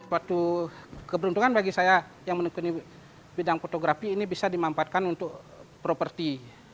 waktu keberuntungan bagi saya yang menekani bidang fotografi ini bisa dimampatkan untuk properti